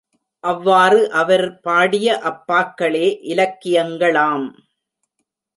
அவ்வாறு அவர் பாடிய அப் பாக்களே இலக்கியங்களாம்.